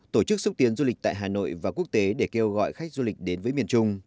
tổ chức xúc tiến du lịch tại hà nội và quốc tế để kêu gọi khách du lịch đến với miền trung